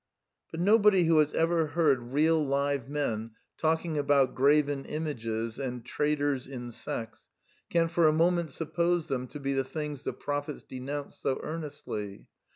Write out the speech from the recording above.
But nobody who has ever heard Preface : 1913 xi real live men talking about graven images and traders in sex, can for a moment suppose them to be the things the prophets denounced so ear nestly.